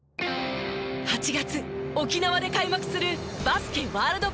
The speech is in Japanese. ８月沖縄で開幕するバスケワールドカップ。